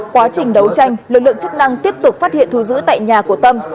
quá trình đấu tranh lực lượng chức năng tiếp tục phát hiện thu giữ tại nhà của tâm